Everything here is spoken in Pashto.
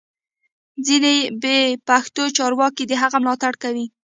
ځینې بې پښتو چارواکي د هغه ملاتړ کوي